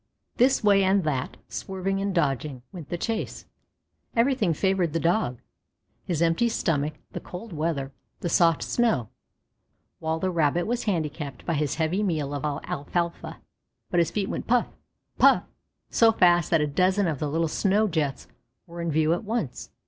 This way and that, swerving and dodging, went the chase. Everything favored the Dog, his empty stomach, the cold weather, the soft snow, while the Rabbit was handicapped by his heavy meal of alfalfa. But his feet went puff puff so fast that a dozen of the little snow jets were in view at once.